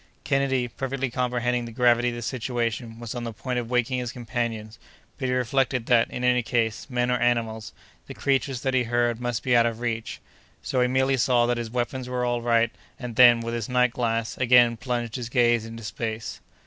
Kennedy, perfectly comprehending the gravity of the situation, was on the point of waking his companions, but he reflected that, in any case, men or animals, the creatures that he had heard must be out of reach. So he merely saw that his weapons were all right, and then, with his night glass, again plunged his gaze into space.